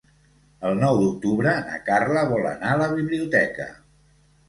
El nou d'octubre na Carla vol anar a la biblioteca.